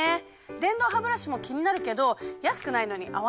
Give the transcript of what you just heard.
電動ハブラシも気になるけど安くないのに合わなかったら嫌だし！